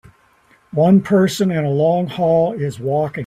One person in a long hall is walking